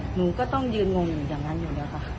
หนูก็ต้องยืนงงอย่างนั้นอยู่เดียวค่ะ